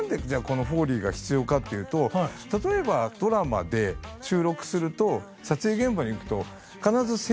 このフォーリーが必要かっていうと例えばドラマで収録すると撮影現場に行くと。